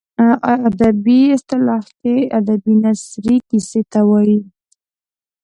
ادبي اصطلاح کې ادبي نثري کیسې ته وايي.